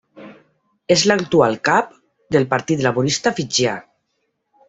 És l'actual cap del Partit Laborista Fijià.